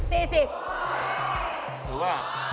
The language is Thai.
หรือว่า